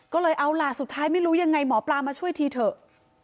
ก็เลยเอาล่ะสุดท้ายไม่รู้ยังไงหมอปลามาช่วยทีเถอะ